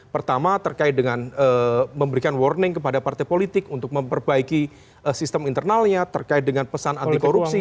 pertama terkait dengan memberikan warning kepada partai politik untuk memperbaiki sistem internalnya terkait dengan pesan anti korupsi